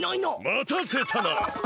またせたな！